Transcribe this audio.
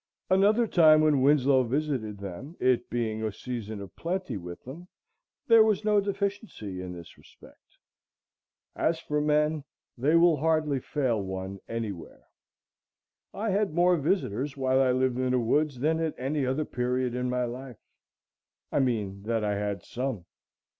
Another time when Winslow visited them, it being a season of plenty with them, there was no deficiency in this respect. As for men, they will hardly fail one any where. I had more visitors while I lived in the woods than at any other period in my life; I mean that I had some.